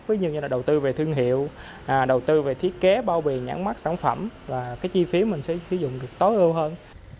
ví dụ như là đầu tư về thương hiệu đầu tư về thiết kế bao bì nhãn mắt sản phẩm và cái chi phí mình sẽ sử dụng được tối ưu hơn